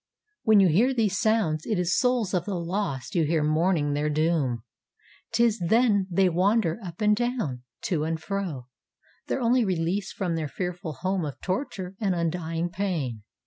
When you hear these sounds it is souls of the lost you hear mourning their doom ŌĆÖtis then they wander up and down, to and fro, their only release from their fearful home of torture and undying pain.